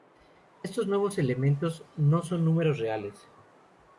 Estos nuevos elementos no son números reales.